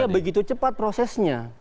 sehingga begitu cepat prosesnya